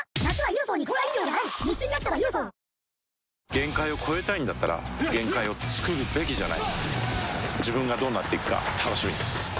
限界を越えたいんだったら限界をつくるべきじゃない自分がどうなっていくか楽しみです